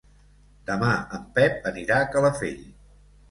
Demà en Pep anirà a Calafell.